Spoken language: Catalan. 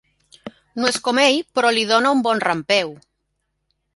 No és com ell, però li dona un bon rampeu.